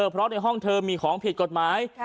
เพราะในห้องเธอมีของผิดกฎหมาย